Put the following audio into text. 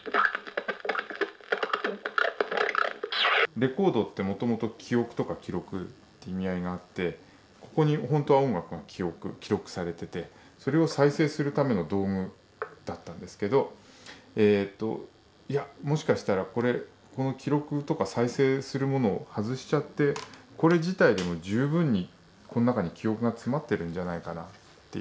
レコードってもともと記憶とか記録って意味合いがあってここにほんとは音楽が記録されててそれを再生するための道具だったんですけど「いやもしかしたらこの記録とか再生するものを外しちゃってこれ自体でも十分にこの中に記憶が詰まってるんじゃないかな」っていう。